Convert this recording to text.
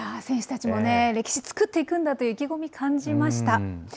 選手たちもね、歴史作っていくんだという意気込み、感じました。